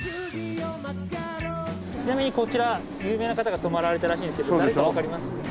ちなみにこちら有名な方が泊まられたらしいんですけど誰かわかります？